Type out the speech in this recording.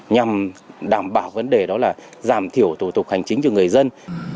nhằm đảm bảo vấn đề đó là giảm thiểu thủ tục hành chính cho người dân